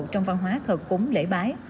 trong văn hóa thờ cúng lễ bái